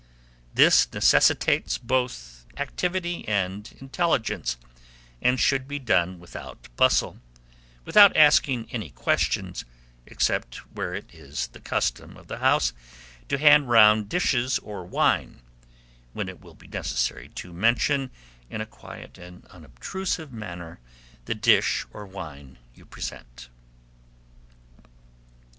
This necessitates both activity and intelligence, and should be done without bustle, without asking any questions, except where it is the custom of the house to hand round dishes or wine, when it will be necessary to mention, in a quiet and unobtrusive manner, the dish or wine you present.